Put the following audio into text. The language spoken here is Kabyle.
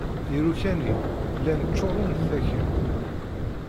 Iruka-nni llan ččuṛen d takka.